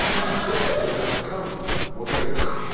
ちょっと若干、申し訳なく。